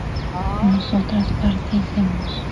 nosotras partiésemos